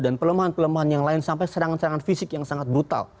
dan pelemahan pelemahan yang lain sampai serangan serangan fisik yang sangat brutal